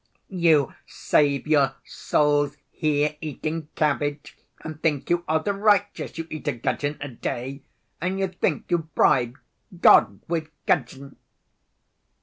You save your souls here, eating cabbage, and think you are the righteous. You eat a gudgeon a day, and you think you bribe God with gudgeon."